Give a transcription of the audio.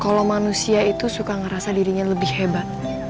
kalau manusia itu suka ngerasa dirinya lebih hebat